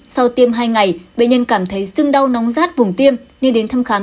sau tiêm hai ngày bệnh nhân cảm thấy sưng đau nóng rát vùng tiêm nên đến thăm khám